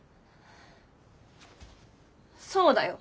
そうだよ。